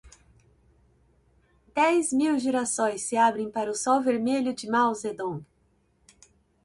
Dez mil girassóis se abrem para o sol vermelho de Mao Zedong